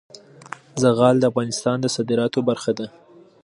زغال د افغانستان د صادراتو برخه ده.